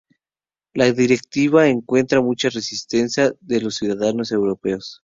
La directiva encuentra mucha resistencia de los ciudadanos europeos.